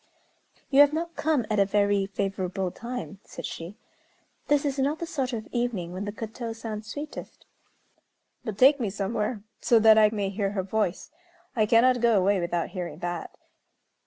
"You have not come at a very favorable time," said she. "This is not the sort of evening when the koto sounds sweetest." "But take me somewhere, so that I may hear her voice. I cannot go away without hearing that."